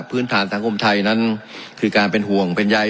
พื้นฐานสังคมไทยนั้นคือการเป็นห่วงเป็นใย